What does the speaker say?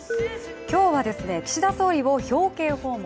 今日は、岸田総理を表敬訪問。